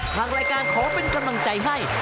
ทางรายการขอเป็นกำลังใจให้